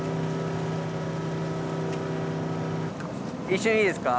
一瞬いいですか？